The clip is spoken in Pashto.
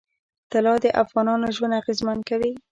طلا د افغانانو ژوند اغېزمن کوي.